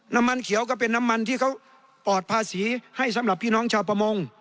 น้ำมันเขียวก็เป็นน้ำมันที่เขาปอดภาษีให้สำหรับพี่น้องชาวประมง